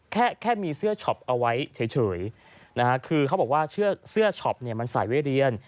แค่แค่มีเสื้อช็อปเอาไว้เฉยนะฮะคือเขาบอกว่าเสื้อช็อปเนี่ยมันใส่ไว้เรียน